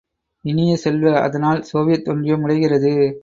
இனிய செல்வ, அதனால் சோவியத் ஒன்றியம் உடைகிறது!